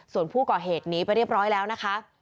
ส่วนผู้ก่อเหตุหนีไปเรียบร้อยแล้วนะคะ